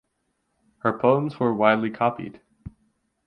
Her poems were widely copied.